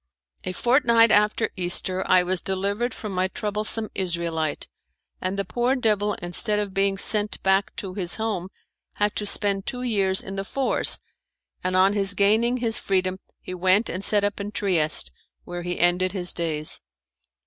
A fortnight after Easter I was delivered from my troublesome Israelite, and the poor devil instead of being sent back to his home had to spend two years in The Fours, and on his gaining his freedom he went and set up in Trieste, where he ended his days.